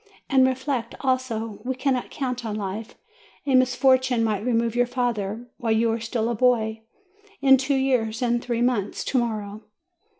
And reflect, also, we cannot count on life; a misfortune might remove your father while you are still a boy, in two years, in three months, to morrow.